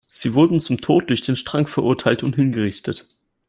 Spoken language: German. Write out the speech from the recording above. Sie wurden zum Tod durch den Strang verurteilt und hingerichtet.